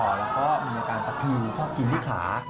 แล้วก็มีอาการตะคืนตะโกรทนทิศภาพ